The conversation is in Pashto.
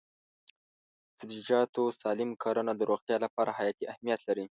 د سبزیجاتو سالم کرنه د روغتیا لپاره حیاتي اهمیت لري.